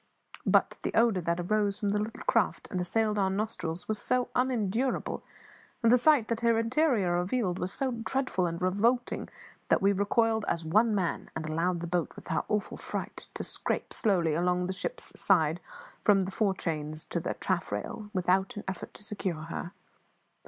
But the odour that arose from the little craft and assailed our nostrils was so unendurable, and the sight that her interior revealed was so dreadful and revolting, that we recoiled as one man, and allowed the boat with her awful freight to scrape slowly along the ship's side from the fore chains to the taffrail, without an effort to secure her.